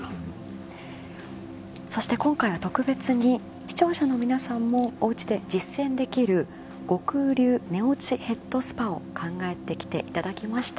そして今回は特別に視聴者の皆さんもおうちで実践できる悟空流寝落ちヘッドスパを考えてきていただきました。